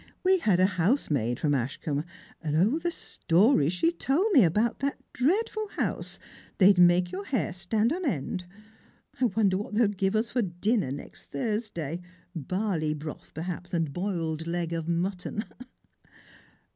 We had a housemaid from Ashcombe ; and, 0, the stories she told me about that dreadful house ! They'd make your hair stand on end. I wonder what they'll give us for dinner next Thursday. Barleybroth perhaps, and boiled leg of mutton."